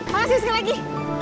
makasih sekali lagi